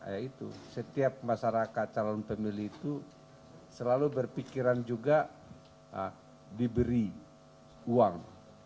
yaitu setiap masyarakat calon pemilih itu selalu berpikiran juga diberi uang